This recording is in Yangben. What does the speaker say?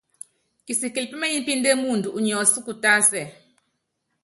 Kisikili peményipíndé muundɔ, unyi ɔsúku tásɛ.